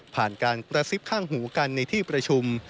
ผ่านการกระซิบข้างหูกันในที่ประชุม